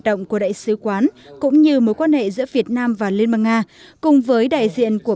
động của đại sứ quán cũng như mối quan hệ giữa việt nam và liên bang nga cùng với đại diện của